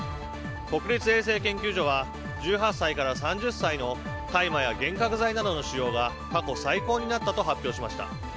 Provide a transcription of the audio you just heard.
国立衛生研究所は１８歳から３０歳の大麻や幻覚剤などの使用が過去最高になったと発表しました。